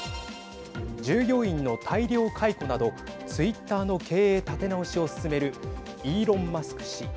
従業員の大量解雇などツイッターの経営立て直しを進めるイーロン・マスク氏。